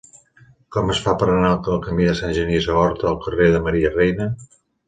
Com es fa per anar del camí de Sant Genís a Horta al carrer de Maria Reina?